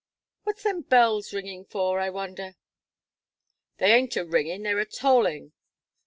What's them bells ringing for, I wonder." "They aint a ringing; they're a tolling."